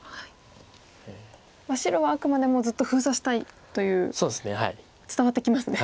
白はあくまでもずっと封鎖したいという伝わってきますね。